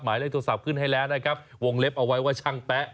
หมายเลขโทรศัพท์ขึ้นให้แล้วนะครับวงเล็บเอาไว้ว่าช่างแป๊ะ